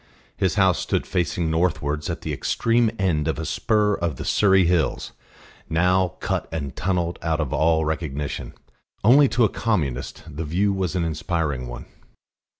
His house stood facing northwards at the extreme end of a spur of the Surrey Hills, now cut and tunnelled out of all recognition; only to a Communist the view was an inspiriting one.